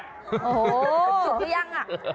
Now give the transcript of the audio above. โอ้โหสุกหรือยัง